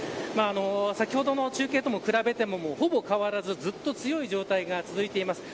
先ほどの中継と比べてもほぼ変わらずずっと強い状態が続いています。